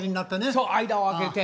そう間を空けて。